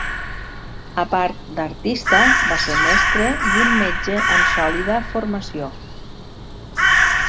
A part d'artista, va ser mestre i un metge amb sòlida formació.